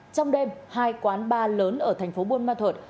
trong đêm hai quán bar lớn ở thành phố buôn ma thuật